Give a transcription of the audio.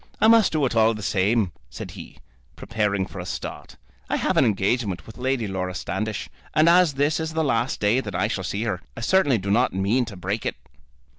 "I must do it all the same," said he, preparing for a start. "I have an engagement with Lady Laura Standish; and as this is the last day that I shall see her, I certainly do not mean to break it."